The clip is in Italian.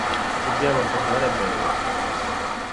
Dobbiamo atterrare a Beirut.